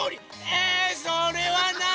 えそれはない！